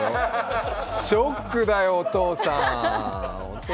ショックだよ、お父さん。